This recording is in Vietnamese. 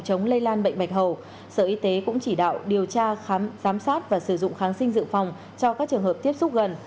họ điều tra giám sát và sử dụng kháng sinh dự phòng cho các trường hợp tiếp xúc gần